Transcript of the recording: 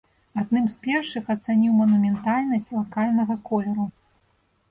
Адным з першых ацаніў манументальнасць лакальнага колеру.